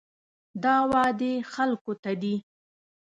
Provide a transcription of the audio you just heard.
دا وعدې خلکو ته دي.